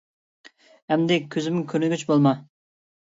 ئەمدى كۆزۈمگە كۆرۈنگۈچى بولما!